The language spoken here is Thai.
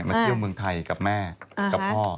เที่ยวเมืองไทยกับแม่กับพ่อ